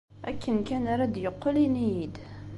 Akken kan ara d-yeqqel, ini-iyi-d.